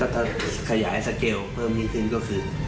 ถ้าขยายสเกลเพิ่มยิ่งขึ้นก็คือ